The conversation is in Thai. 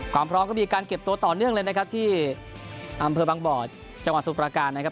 ความพร้อมก็มีการเก็บตัวต่อเนื่องเลยนะครับที่อำเภอบางบ่อจังหวัดสมุทรประการนะครับ